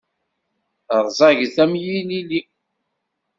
Rẓaget am yilili